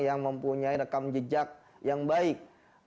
yang mempunyai rekam jejak yang baik